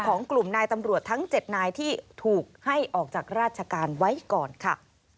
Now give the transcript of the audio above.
ของกลุ่มนายตำรวจทั้ง๗นายที่ถูกให้ออกจากราชการไว้ก่อนค่ะ